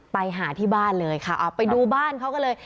ไปหาที่บ้านเลยค่ะเอาไปดูบ้านเขาก็เลย